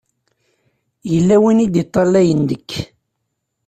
Yella win i d-iṭṭalayen deg-k.